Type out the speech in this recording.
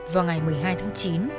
vào ngày một mươi hai tháng chín